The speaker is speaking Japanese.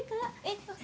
えっ？